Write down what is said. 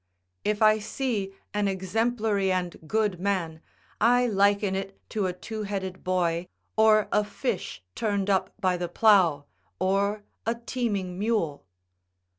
["If I see an exemplary and good man, I liken it to a two headed boy, or a fish turned up by the plough, or a teeming mule."